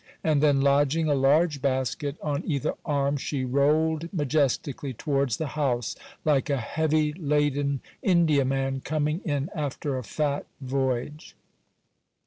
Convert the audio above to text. And then, lodging a large basket on either arm, she rolled majestically towards the house, like a heavy laden Indiaman coming in after a fat voyage.